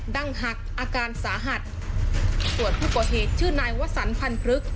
ดั่งหักอาการสาหัดส่วนผู้บาดเจ็บชื่อนายว่าสันพันธุ์พลึก